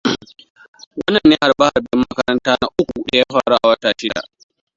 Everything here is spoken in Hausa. Wannan ne harbe-harben makaranta na uku da ya faru a wata shida.